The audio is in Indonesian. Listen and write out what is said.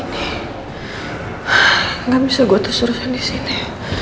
nggak bisa gue terus terusan disini